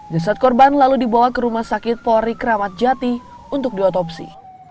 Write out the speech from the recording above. jasad korban lalu dibawa ke rumah sakit polri kramat jati untuk diotopsi